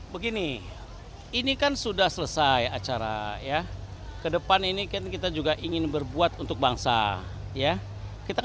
begini ini kan sudah selesai acara ya ke depan ini kan kita juga ingin berbuat untuk bangsa ya kita